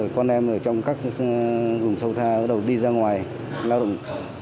con em ở trong các vùng sâu xa bắt đầu đi ra ngoài lao động